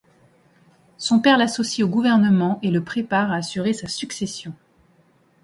Son père l'associe au gouvernement et le prépare à assurer sa succession.